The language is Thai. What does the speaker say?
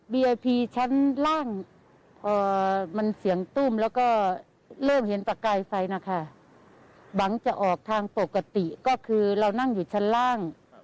บางทีจะออกทางปกติก็คือเรานั่งอยู่ชั้นล่าง